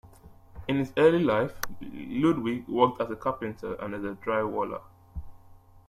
In his early life, Ludwig worked as a carpenter and as a drywaller.